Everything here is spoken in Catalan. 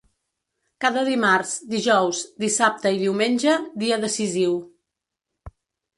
Cada dimarts, dijous, dissabte i diumenge, dia decisiu.